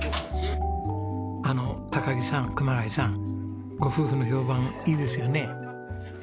あの木さん熊谷さんご夫婦の評判いいですよね？